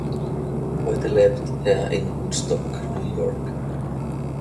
Heute lebt er in Woodstock, New York.